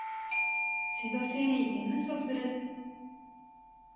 சிவசேனை என்ன சொல்கிறது?